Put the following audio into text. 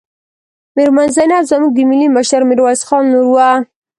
میرمن زینب زموږ د ملي مشر میرویس خان لور وه.